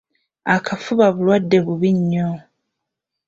Akafuba bulwadde bubi nnyo.